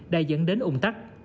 đây dẫn đến ủng tắc